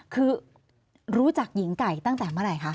คือรู้จักหญิงไก่ตั้งแต่เมื่อไหร่คะ